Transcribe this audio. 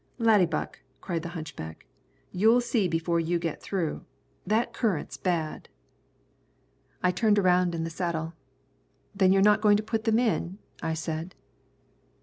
"Laddiebuck," cried the hunchback, "you'll see before you get through. That current's bad." I turned around in the saddle. "Then you're not going to put them in?" I said.